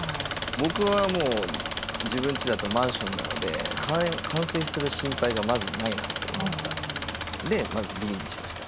僕はもう自分ちだとマンションなので冠水する心配がまずないなと思ったんでＢにしました。